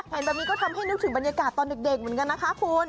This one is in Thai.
เห็นแบบนี้ก็ทำให้นึกถึงบรรยากาศตอนเด็กเหมือนกันนะคะคุณ